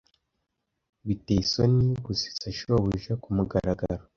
Biteye isoni gusetsa shobuja kumugaragaro.